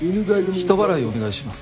人払いをお願いします。